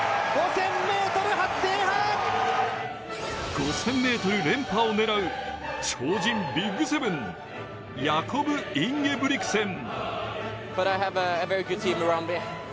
５０００ｍ連覇を狙う超人ＢＩＧ７、ヤコブ・インゲブリクセン。